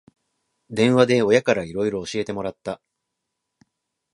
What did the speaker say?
電話で親からいろいろ教えてもらった